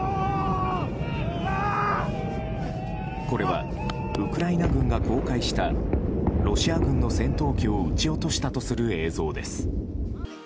これはウクライナ軍が公開したロシア軍の戦闘機を撃ち落としたとする映像です。